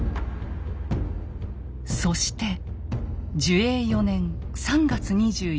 そして寿永４年３月２４日。